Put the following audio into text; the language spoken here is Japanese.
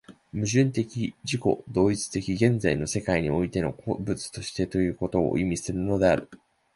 矛盾的自己同一的現在の世界においての個物としてということを意味するのである。